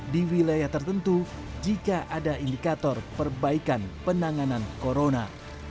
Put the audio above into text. di wilayah tertentu jika ada indikator perbaikan penanganan corona